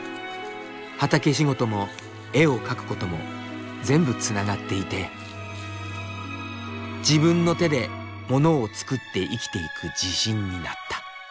畑仕事も絵を描くことも全部つながっていて自分の手でものを作って生きていく自信になった。